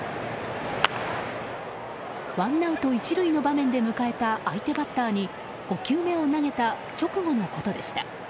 ワンアウト１塁の場面で迎えた相手バッターに５球目を投げた直後のことでした。